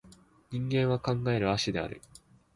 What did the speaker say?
人間は考える葦である